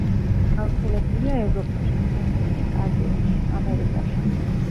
გავრცელებულია ევროპაში, ციმბირში, აზიაში, ამერიკაში.